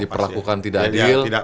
diperlakukan tidak adil